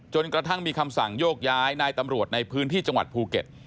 กระทั่งมีคำสั่งโยกย้ายนายตำรวจในพื้นที่จังหวัดภูเก็ต